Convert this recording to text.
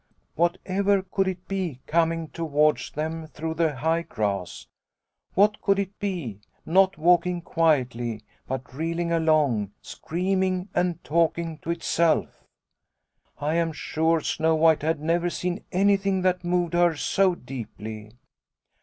" Whatever could it be coming towards them through the high grass ? What could it be, not walking quietly, but reeling along, screaming and talking to itself ?" I am sure Snow White had never seen any thing that moved her so deeply.